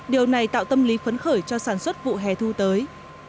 điều này tạo tâm lý phấn khởi cho sản xuất vụ hè thu tới